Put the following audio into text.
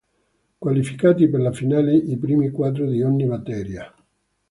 Qualificati per la finale i primi quattro di ogni batteria.